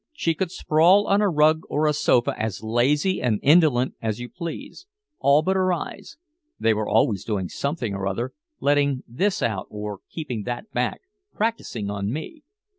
She could sprawl on a rug or a sofa as lazy and indolent as you please all but her eyes, they were always doing something or other, letting this out or keeping that back, practicing on me!